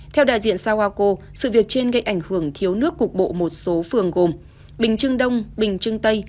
theo đại diện sawako sự việc trên gây ảnh hưởng thiếu nước cục bộ một số phường gồm bình trưng đông bình trưng tây